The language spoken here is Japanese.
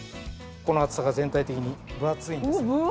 この厚さが全体的に分厚いんですよ。